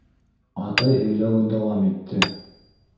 Атай һөйләүен дауам итте.